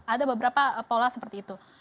ada beberapa pola seperti itu